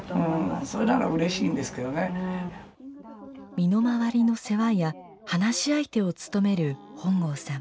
身の回りの世話や話し相手を務める本郷さん。